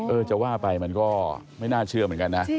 จะว่าไปมันก็ไม่น่าเชื่อเหมือนกันนะ